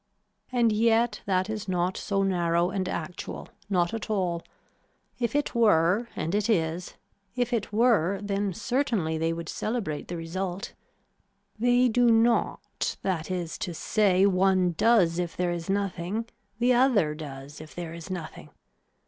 And yet that is not so narrow and actual, not at all, if it were and it is, if it were then certainly they would celebrate the result, they do not that is to say one does if there is nothing, the other does if there is nothing.